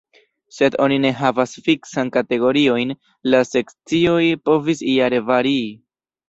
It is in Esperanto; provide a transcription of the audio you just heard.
Sed oni ne havas fiksan kategoriojn; la sekcioj povis jare varii.